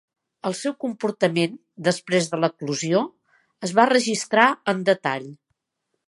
El seu comportament després de l'eclosió es va registrar en detall.